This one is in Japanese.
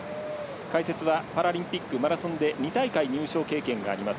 解説はパラリンピックマラソンで２大会入賞経験があります